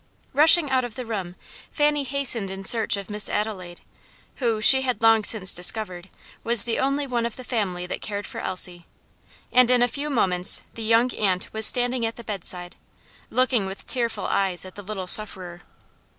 Rushing out of the room, Fanny hastened in search of Miss Adelaide, who, she had long since discovered, was the only one of the family that cared for Elsie; and in a few moments the young aunt was standing at the bedside, looking with tearful eyes at the little sufferer.